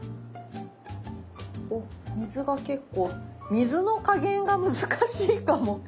お水が結構水の加減が難しいかも。